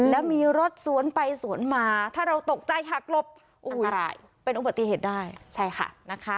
แล้วมีรถสวนไปสวนมาถ้าเราตกใจหักหลบเป็นอุบัติเหตุได้ใช่ค่ะนะคะ